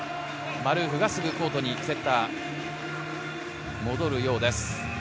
マルーフがすぐコートにセッターが戻るようです。